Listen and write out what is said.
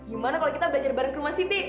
gimana kalau kita belajar bareng ke rumah siti